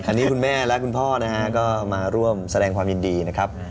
อันนี้คุณแม่และคุณพ่อนะฮะก็มาร่วมแสดงความยินดีนะครับ